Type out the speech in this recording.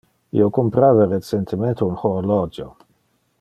Io comprava recentemente un horologio.